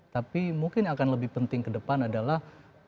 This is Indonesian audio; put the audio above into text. tapi mungkin akan lebih penting ke depan adalah